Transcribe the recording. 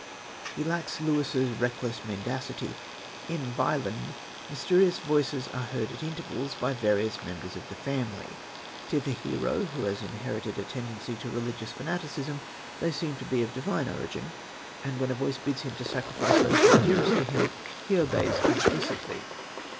He lacks Lewis's reckless mendacity. In Wieland mysterious voices are heard at intervals by various members of the family. To the hero, who has inherited a tendency to religious fanaticism, they seem to be of divine origin, and when a voice bids him sacrifice those who are dearest to him, he obeys implicitly.